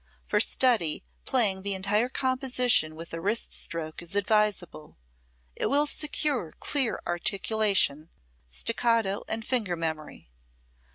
For study, playing the entire composition with a wrist stroke is advisable. It will secure clear articulation, staccato and finger memory.